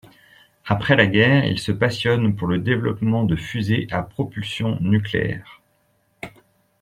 Après la guerre, il se passionne pour le développement de fusées à propulsion nucléaire.